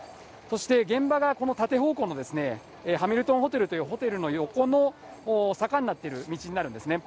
そして、現場がこの縦方向のハミルトンホテルというホテルの横の坂になってる道になるんですね。